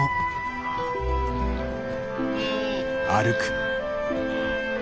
歩く。